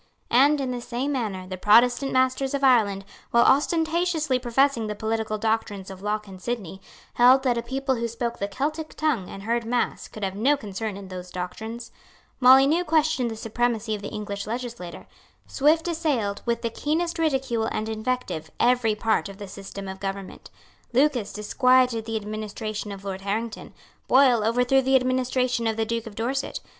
And, in the same manner, the Protestant masters of Ireland, while ostentatiously professing the political doctrines of Locke and Sidney, held that a people who spoke the Celtic tongue and heard mass could have no concern in those doctrines. Molyneux questioned the supremacy of the English legislature. Swift assailed, with the keenest ridicule and invective, every part of the system of government. Lucas disquieted the administration of Lord Harrington. Boyle overthrew the administration of the Duke of Dorset.